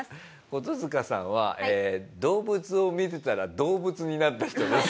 コトヅカさんは動物を見てたら動物になった人です。